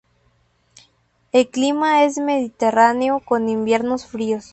El clima es mediterráneo con inviernos fríos.